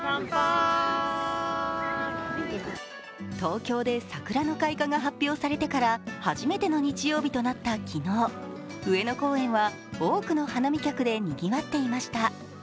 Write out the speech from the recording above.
東京で桜の開花が発表されてから初めての日曜日となった昨日上野公園は多くの花見客でにぎわっていました。